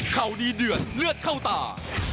ดีเดือดเลือดเข้าตา